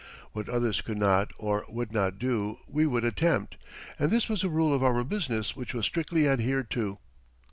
What others could not or would not do we would attempt, and this was a rule of our business which was strictly adhered to.